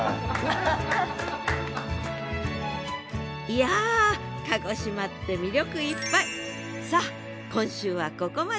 いや鹿児島って魅力いっぱい！